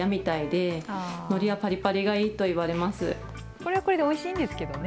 これはこれでおいしいんですけどね。